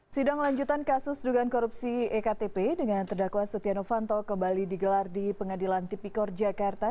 sidang lanjutan kasus dugaan korupsi ektp dengan terdakwa setia novanto kembali digelar di pengadilan tipikor jakarta